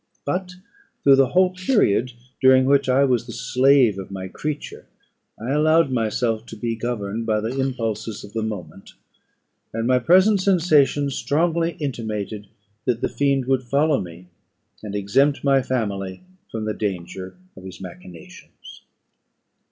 But through the whole period during which I was the slave of my creature, I allowed myself to be governed by the impulses of the moment; and my present sensations strongly intimated that the fiend would follow me, and exempt my family from the danger of his machinations.